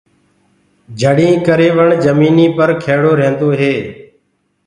پهآڙينٚ ڪري وڻ جميٚنيٚ پر کيڙو رهيندو هي۔